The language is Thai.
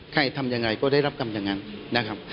ทำยังไงก็ได้รับกรรมอย่างนั้นนะครับ